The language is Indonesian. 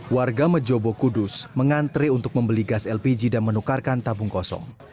warga mejobo kudus mengantre untuk membeli gas lpg dan menukarkan tabung kosong